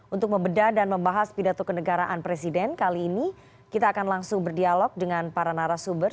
untuk membedah dan membahas pidato kenegaraan presiden kali ini kita akan langsung berdialog dengan para narasumber